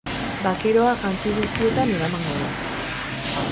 Bakeroa jantzi guztietan eramango da.